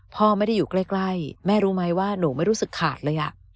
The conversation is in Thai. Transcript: พ่อไม่ได้อยู่ใกล้แม่รู้ไหมว่าหนูไม่รู้สึกขาดเลย